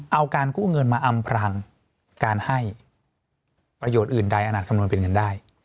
เอาการกู้เงินมาอำพรางการให้ประโยชน์อื่นใดอาจคำนวณเป็นเงินได้